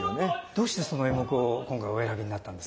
どうしてその演目を今回お選びになったんですか？